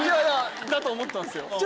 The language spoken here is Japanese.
だと思ったんですよ。